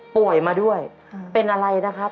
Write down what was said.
ป่วยมาด้วยเป็นอะไรนะครับ